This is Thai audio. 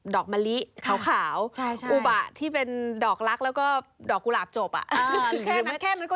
อกมะลิขาวอุบะที่เป็นดอกลักษณ์แล้วก็ดอกกุหลาบจบแค่นั้น